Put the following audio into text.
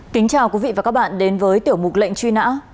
kính chào quý vị và các bạn đến với tiểu mục lệnh truy nã